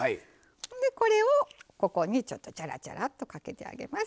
でこれをここにちょっとちゃらちゃらっとかけてあげます。